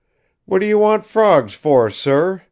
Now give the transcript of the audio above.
"What do you want frogs for, sir?"